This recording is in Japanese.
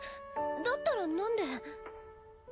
だったらなんで。